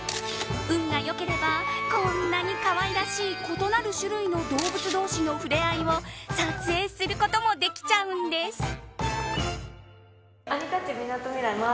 運がよければこんなにかわらしい異なる種類の動物同士の触れ合いを撮影することもできちゃうんです。